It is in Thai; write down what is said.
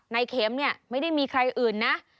นายเข็มไม่ได้มีใครอื่นนะ